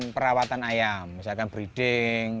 perawatan ayam misalkan breeding